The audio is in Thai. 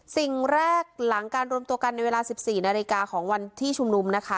สิ่งแรกหลังการรวมตัวกันในเวลา๑๔นาฬิกาของวันที่ชุมนุมนะคะ